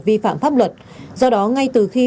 vi phạm pháp luật do đó ngay từ khi